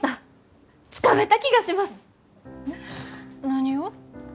何を？